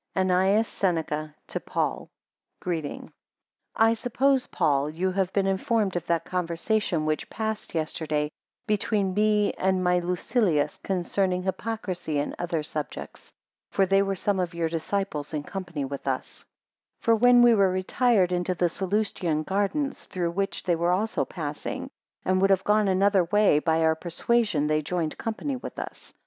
ANNAEUS SENECA to PAUL Greeting. I SUPPOSE, Paul, you have been informed of that conversation, which passed yesterday between me and my Lucilius, concerning hypocrisy and other subjects; for there were some of your disciples in company with us; 2 For when we were retired into the Sallustian gardens, through which they were also passing, and would have gone another way, by our persuasion they joined company with us.